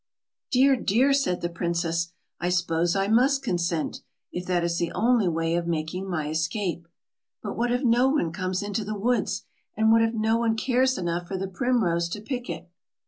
"Dear! dear!" said the princess, "I suppose I must consent, if that is the only way of making my escape. But what if no one comes into the woods, and what if no one cares enough for the primrose to pick it?"